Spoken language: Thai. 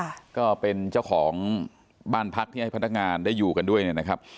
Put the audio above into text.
ค่ะก็เป็นเจ้าของบ้านพักที่ให้พนักงานได้อยู่กันด้วยเนี่ยนะครับ